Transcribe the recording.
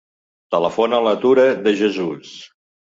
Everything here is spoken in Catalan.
Telefona a la Tura De Jesus.